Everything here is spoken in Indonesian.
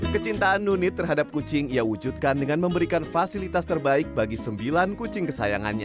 kecintaan nunit terhadap kucing ia wujudkan dengan memberikan fasilitas terbaik bagi sembilan kucing kesayangannya